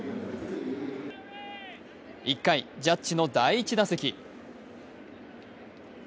１回、ジャッジの第１打席。